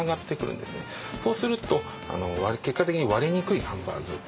そうすると結果的に割れにくいハンバーグ。